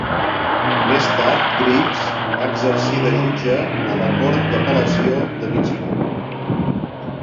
Més tard, Gribbs va exercir de jutge a la Cort d'Apel·lació de Michigan.